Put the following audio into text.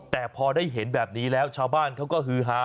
แต่พอได้เห็นแบบนี้แล้วชาวบ้านเขาก็ฮือฮา